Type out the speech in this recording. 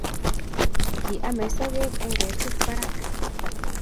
Kiame sokek eng ketik parak